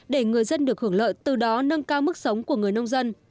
để người dân được hưởng lợi từ đó nâng cao mức sống của người nông dân